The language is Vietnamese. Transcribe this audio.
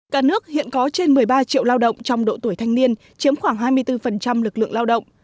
cả nước hiện có trên một mươi ba triệu lao động trong độ tuổi thanh niên chiếm khoảng hai mươi bốn lực lượng lao động